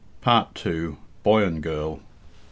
PART II. BOY AND GIRL. I.